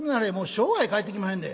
生涯帰ってきまへんで」。